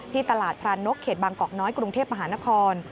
ตลาดพรานนกเขตบางกอกน้อยกรุงเทพมหานคร